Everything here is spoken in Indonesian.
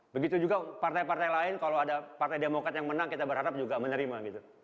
begitu juga partai partai lain kalau ada partai demokrat yang menang kita berharap juga menerima gitu